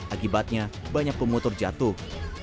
akibatnya banyak pemotor jatuh